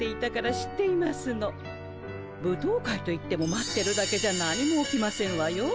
舞踏会といっても待ってるだけじゃ何も起きませんわよ。